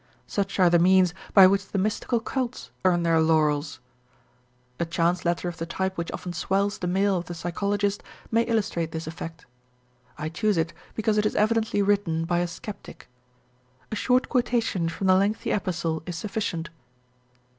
Such are the means by which the mystical cults earn their laurels. A chance letter of the type which often swells the mail of the psychologist may illustrate this effect. I choose it because it is evidently written by a skeptic. A short quotation from the lengthy epistle is sufficient.